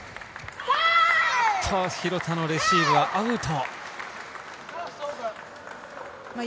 廣田のレシーブはアウト。